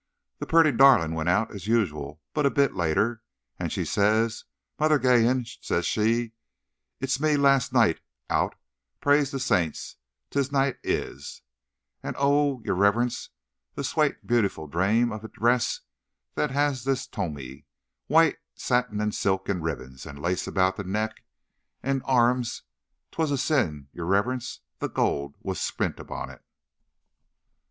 The purty darlin' wint out, as usual, but a bit later. And she says: 'Mother Geehan,' says she, 'it's me last noight out, praise the saints, this noight is!' And, oh, yer riverence, the swate, beautiful drame of a dress she had this toime! White satin and silk and ribbons, and lace about the neck and arrums—'twas a sin, yer reverence, the gold was spint upon it."